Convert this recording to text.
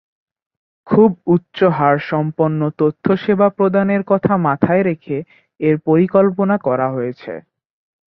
খুব উচ্চ হার সম্পন্ন তথ্য সেবা প্রদানের কথা মাথায় রেখে এর পরিকল্পনা করা হয়েছে।